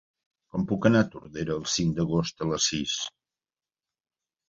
Com puc anar a Tordera el cinc d'agost a les sis?